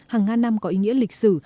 hàng ngàn năm có ý nghĩa lịch sử